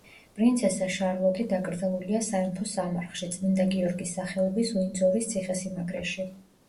პრინცესა შარლოტი დაკრძალულია სამეფო სამარხში, წმინდა გიორგის სახელობის უინძორის ციხე-სიმაგრეში.